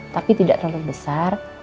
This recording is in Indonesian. tapi tidak terlalu besar